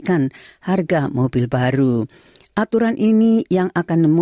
dan juga di penelitian aplikasi kami